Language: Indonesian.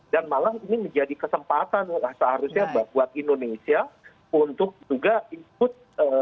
dan malah ini menjadi kesempatan seharusnya buat indonesia untuk juga input